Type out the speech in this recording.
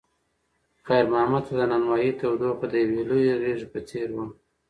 خیر محمد ته د نانوایۍ تودوخه د یوې لویې غېږې په څېر وه.